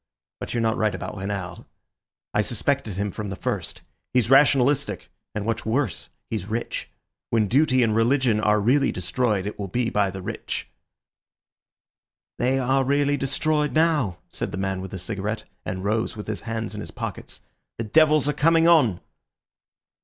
But you're not right about Renard. I suspected him from the first. He's rationalistic, and, what's worse, he's rich. When duty and religion are really destroyed, it will be by the rich." "They are really destroyed now," said the man with a cigarette, and rose with his hands in his pockets. "The devils are coming on!"